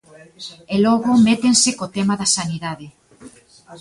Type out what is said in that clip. E logo métense co tema da sanidade.